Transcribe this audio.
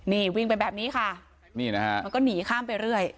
นี่วิ่งไปแบบนี้ค่ะนี่นะฮะมันก็หนีข้ามไปเรื่อย